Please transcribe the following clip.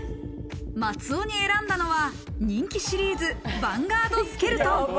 松尾に選んだのは人気シリーズ、ヴァンガードスケルトン。